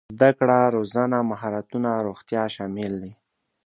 زده کړه روزنه مهارتونه روغتيا شامل دي.